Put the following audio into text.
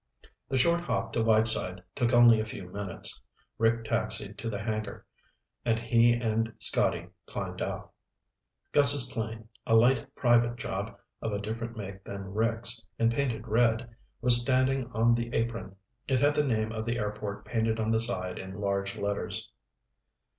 The short hop to Whiteside took only a few minutes. Rick taxied to the hangar and he and Scotty climbed out. Gus's plane, a light private job of a different make than Rick's and painted red, was standing on the apron. It had the name of the airport painted on the side in large letters.